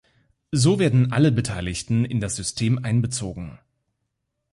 So werden alle Beteiligten in das System einbezogen.